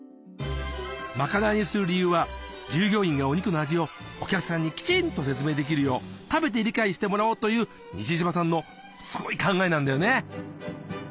まかないにする理由は従業員がお肉の味をお客さんにきちんと説明できるよう食べて理解してもらおうという西島さんの考えなんだよね。